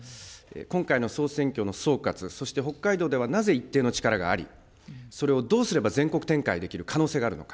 今回の総選挙の総括、そして北海道ではなぜ一定の力があり、それをどうすれば全国展開できる可能性があるのか。